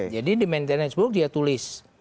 jadi di maintenance book dia tulis